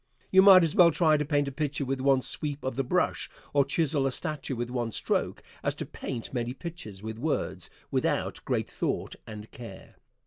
You might as well try to paint a picture with one sweep of the brush, or chisel a statue with one stroke, as to paint many pictures with words, without great thought and care.